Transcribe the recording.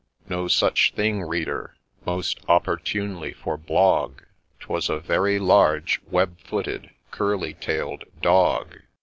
— No such thing, Reader :— most opportunely for Blogg. 'Twas a very large, web footed, curly tail'd Dog